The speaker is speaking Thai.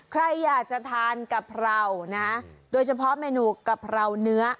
ใครอยากจะทานกะเพรานะโดยเฉพาะเมนูกะเพราเนื้อ